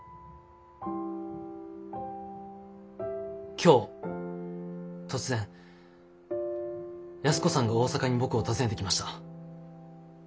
今日突然安子さんが大阪に僕を訪ねてきました。